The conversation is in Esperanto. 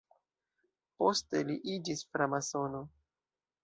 Poste li iĝis framasono.